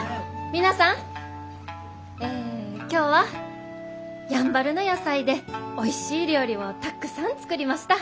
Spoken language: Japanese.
皆さんえ今日はやんばるの野菜でおいしい料理をたくさん作りました。